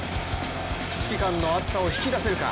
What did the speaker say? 指揮官の熱さを引き出せるか？